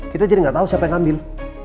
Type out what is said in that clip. kita jadi gak tau siapa yang ngambil